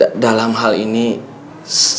ya tapi dalam hal ini saya bingung yes